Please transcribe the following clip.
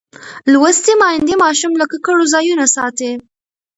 لوستې میندې ماشوم له ککړو ځایونو ساتي.